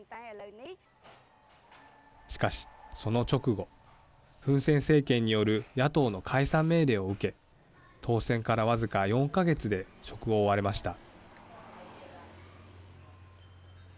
しかし、その直後フン・セン政権による野党の解散命令を受け当選から僅か４か月で職を追われました。